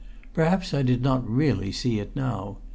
Perhaps I did not really see it now.